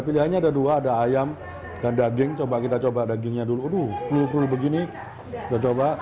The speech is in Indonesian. pilihannya ada dua ada ayam dan daging coba kita coba dagingnya dulu dulu perlu begini coba